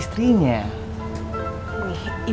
bapaknya gak mau nyanyi